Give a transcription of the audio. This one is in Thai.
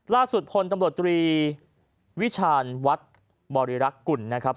ล่าสุดพลตำรวจตรีวิชาณวัดบริรักษ์กุลนะครับ